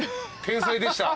天才でした。